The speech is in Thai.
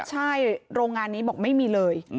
ใช่โรงงานนี้บอกไม่มีเลย